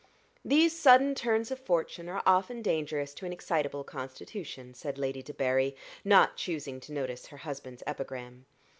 "These sudden turns of fortune are often dangerous to an excitable constitution," said Lady Debarry, not choosing to notice her husband's epigram.